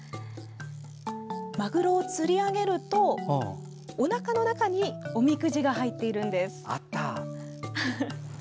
マグロを釣り上げるとおなかの中におみくじが入っているんです。